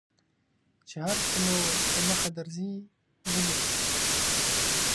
چې هر څه مو په مخه درځي ولیکو.